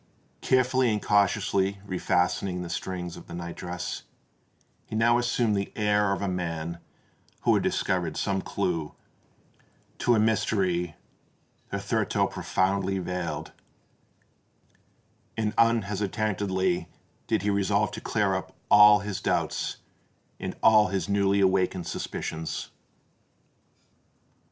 Carefully and cautiously refastening the strings of the night dress, he now assumed the air of a man who had discovered some clue to a mystery hitherto profoundly veiled; and unhesitatingly did he resolve to clear up all his doubts and all his newly awakened suspicions.